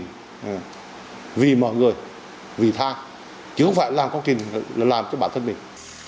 là vì mọi người vì tha chứ không phải làm công trình là làm cho bản thân mình